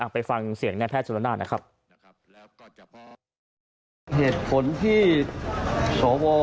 ไปฟังเสียงแหน่งแพทย์จรณานะครับ